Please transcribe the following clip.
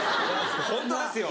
ホントですよ。